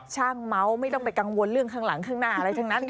เมาส์ไม่ต้องไปกังวลเรื่องข้างหลังข้างหน้าอะไรทั้งนั้น